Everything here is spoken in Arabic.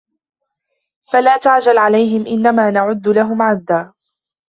فَلَا تَعْجَلْ عَلَيْهِمْ إِنَّمَا نَعُدُّ لَهُمْ عَدًّا